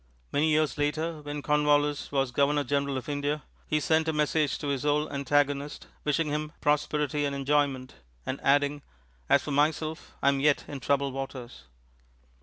Many years after, when Cornwallis was Governor General of India, he sent a message to his old antagonist, wishing him "prosperity and enjoyment," and adding, "As for myself, I am yet in troubled waters."